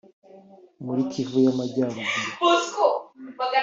muri Kivu y’Amajyaruguru